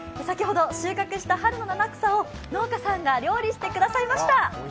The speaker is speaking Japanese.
先ほど収穫した春の七草を農家さんが料理してくださいました。